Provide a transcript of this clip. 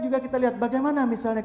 juga kita lihat bagaimana misalnya